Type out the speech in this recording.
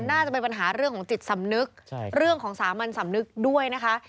น่าจะเป็นปัญหาเรื่องของจิตสำนึกเรื่องของสามัญสำนึกด้วยนะคะ